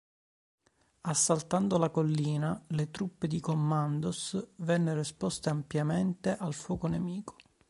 Assaltando la collina, le truppe di commandos vennero esposte ampiamente al fuoco nemico.